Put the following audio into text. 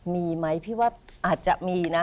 มีไหมพี่ว่าอาจจะมีนะ